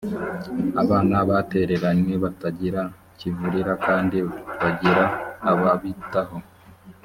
abana batereranywe batagira kivurira kandi bagira ababitaho